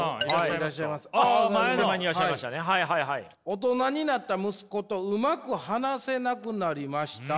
「大人になった息子とうまく話せなくなりました。